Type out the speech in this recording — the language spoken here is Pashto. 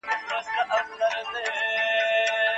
د پېښو اصلي او رښتیني علتونه پیدا کړئ.